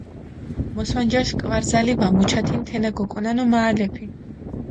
მოსვანჯაშ კვარზალი ვა მუჩათინ თენა გოკონანო მაჸალეფი.